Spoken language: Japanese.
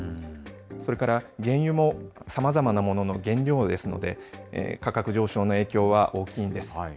それから、原油もさまざまな物の原料ですので、価格上昇の影響は大きいんです。